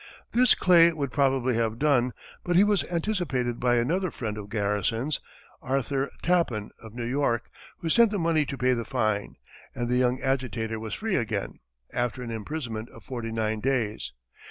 This Clay would probably have done, but he was anticipated by another friend of Garrison's, Arthur Tappan, of New York, who sent the money to pay the fine, and the young agitator was free again, after an imprisonment of forty nine days.